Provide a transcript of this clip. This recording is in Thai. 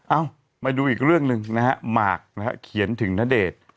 เอ้ามาดูอีกเรื่องหนึ่งนะฮะหมากนะฮะเขียนถึงณเดชน์